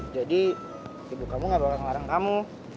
jadi ibu kamu gak bakal ngelarang kamu